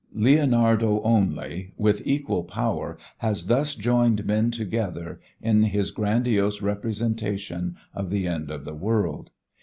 Leonardo only with equal power has thus joined men together in his grandiose representation of the end of the world.